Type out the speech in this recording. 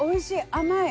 甘い。